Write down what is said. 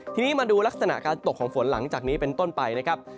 ทีนี้มาดูลักษณะการตกของฝนหลังจากนี้เป็นต้นไปนะครับ